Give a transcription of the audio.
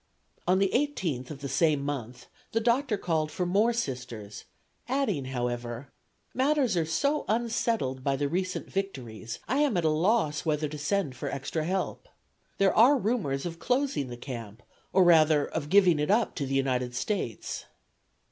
On the 18th of the same month the doctor called for more Sisters, adding, however, "Matters are so unsettled by the recent victories I am at a loss whether to send for extra help. There are rumors of closing the camp or rather of giving it up to the United States."